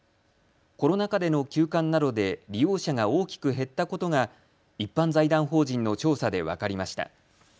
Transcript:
コロナ禍での休館などで利用者が大きく減ったことが一般財団法人の調査で分かりました。